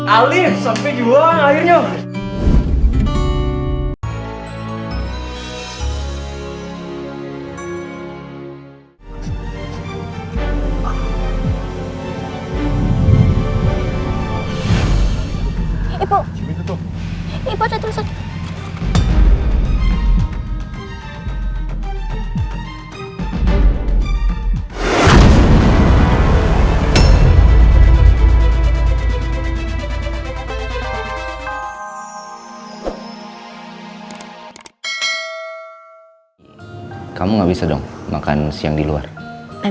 alif sampai juang akhirnya